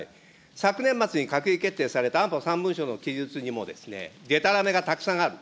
昨年末に閣議決定された安保３文書の記述にも、でたらめがたくさんある。